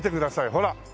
ほら。